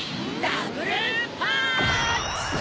ダブルパンチ！